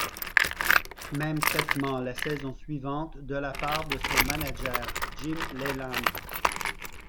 Même traitement la saison suivante de la part de son manager Jim Leyland.